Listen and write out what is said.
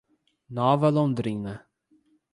Nova Londrina